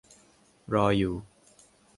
รออยู่